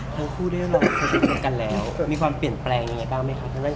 คุณคู่ด้วยเราเคยพูดกันแล้วมีความเปลี่ยนแปลงยังไงบ้างไหมคะ